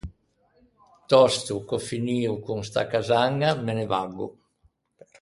Tòsto ch’ò finio con sta casaña me ne vaggo.